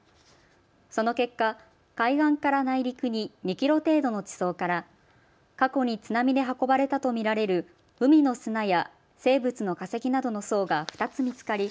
その結果、海岸から内陸に２キロ程度の地層から過去に津波で運ばれたと見られる海の砂や生物の化石などの層が２つ見つかり